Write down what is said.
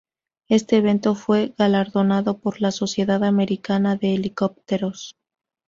Este evento fue galardonado por la Sociedad Americana de Helicópteros.